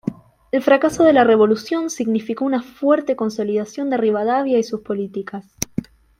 El fracaso de la revolución significó una fuerte consolidación de Rivadavia y sus políticas.